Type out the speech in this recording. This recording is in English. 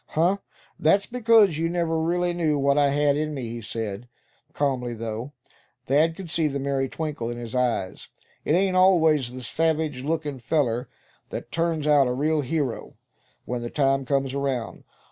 "Huh! that's because you never really knew what I had in me," he said, calmly, though Thad could see the merry twinkle in his eyes; "It ain't always the savage lookin' feller that turns out a real hero, when the time comes around.